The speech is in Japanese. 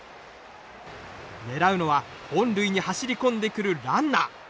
ねらうのは本塁に走り込んでくるランナー。